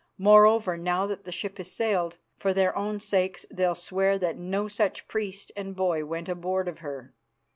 Moreover, now that the ship has sailed, for their own sakes they'll swear that no such priest and boy went aboard of her.